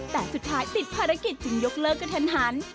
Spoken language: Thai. แต่สุดท้ายติดภารกิจจึงยกเลิกกระทันหัน